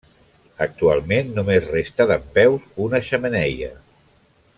Actualment només resta dempeus una xemeneia.